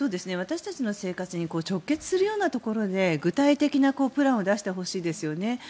私たちの生活に直結するようなところで具体的なプランを出してほしいですね。